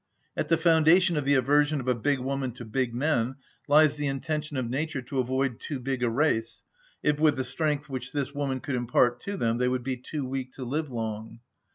At the foundation of the aversion of a big woman to big men lies the intention of nature to avoid too big a race, if with the strength which this woman could impart to them they would be too weak to live long.